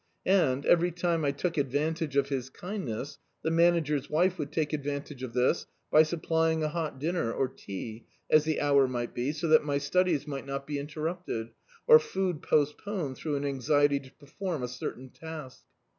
And, every time I took advantage of his kindness, the Manager's wife would take advantage of this l^ supplying a hot dinner or tea, as the hour mi^t be, so that my studies mi^t not be interrupted, or food postpcmed through an anxiety to perform a certain task.